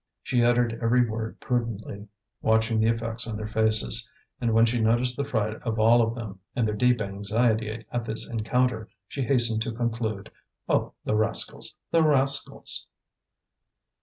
She uttered every word prudently, watching the effect on their faces; and when she noticed the fright of all of them, and their deep anxiety at this encounter, she hastened to conclude: "Oh, the rascals! the rascals!"